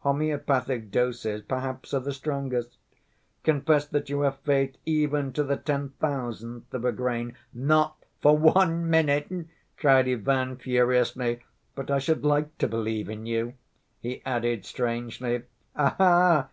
Homeopathic doses perhaps are the strongest. Confess that you have faith even to the ten‐thousandth of a grain." "Not for one minute," cried Ivan furiously. "But I should like to believe in you," he added strangely. "Aha!